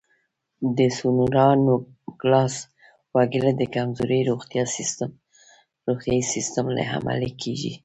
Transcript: د سونورا نوګالس وګړي د کمزوري روغتیايي سیستم له امله کړېږي.